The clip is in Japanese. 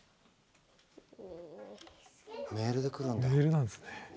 メールで来るんだ。